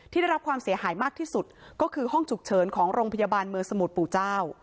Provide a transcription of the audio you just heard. ได้รับความเสียหายมากที่สุดก็คือห้องฉุกเฉินของโรงพยาบาลเมืองสมุทรปู่เจ้า